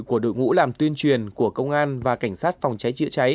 của đội ngũ làm tuyên truyền của công an và cảnh sát phòng cháy chữa cháy